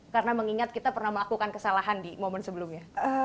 karena mengingat kita pernah melakukan kesalahan di momen sebelumnya